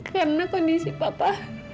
karena kondisi papa